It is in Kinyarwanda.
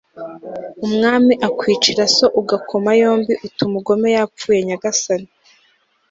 umwami akwicira so ugakoma yombi uti umugome yapfuye nyagasani